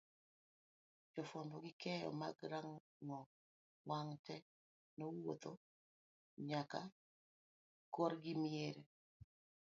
jofuambo gi keyo mag rang'ong wang' te nowuodho nyakakorgiemier